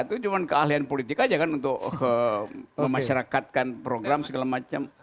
itu cuma keahlian politik aja kan untuk memasyarakatkan program segala macam